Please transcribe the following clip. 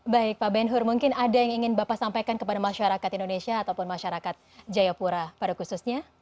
baik pak benhur mungkin ada yang ingin bapak sampaikan kepada masyarakat indonesia ataupun masyarakat jayapura pada khususnya